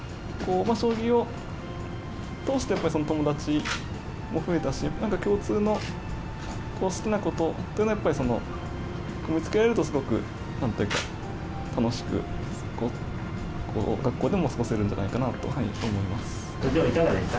将棋を通して、やっぱりその友達も増えたし、また共通の好きなことっていうのをやっぱり見つけられると、すごくなんというか、楽しく学校でも過ごせるんじゃないかなと思いかがでした？